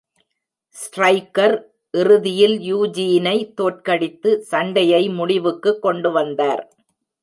Striker இறுதியில் யூஜீனை தோற்கடித்து சண்டையை முடிவுக்கு கொண்டுவந்தார்.